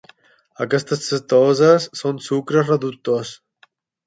Aquestes cetoses són sucres reductors.